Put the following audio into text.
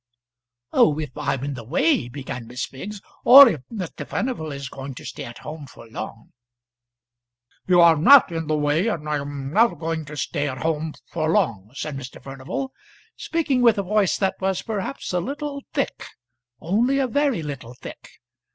"Oh, if I'm in the way," began Miss Biggs, "or if Mr. Furnival is going to stay at home for long " "You are not in the way, and I am not going to stay at home for long," said Mr. Furnival, speaking with a voice that was perhaps a little thick, only a very little thick.